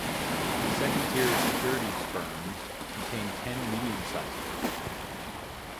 The second tier of securities firms contained ten medium-sized firms.